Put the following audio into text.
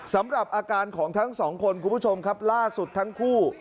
สำหรับอาการของทั้งสองคนคุณผู้ชมครับล่าสุดทั้งคู่